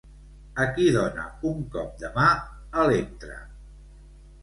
A qui dona un cop demà, Electra?